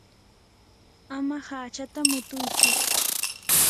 ama hachata mutuychu.